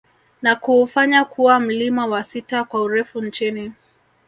Na kuufanya kuwa mlima wa sita kwa urefu nchini